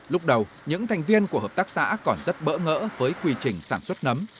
lúc đầu những thành viên của hợp tác xã còn rất bỡ ngỡ với quy trình sản xuất nấm